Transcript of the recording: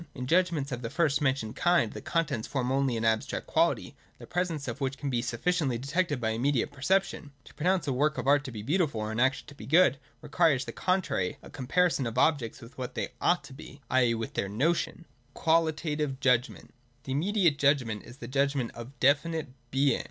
In judgments of the first mentioned kind the content forms only an abstract quality, the presence of which can be sufficiently detected by immediate perception. To pronounce a work of art to be beautiful, or an action to be good, requires on the contrary a comparison of the objects w^ith what they ought to be, i.e. with their notion. (a) Qualitative Judgment. 172.] The immediate judgment is the judgment of definite Being.